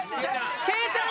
ケイちゃん